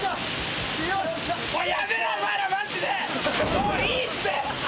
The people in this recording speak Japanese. もういいって！